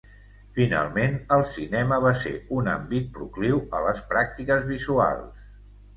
Finalment, el cinema va ser un àmbit procliu a les pràctiques visuals.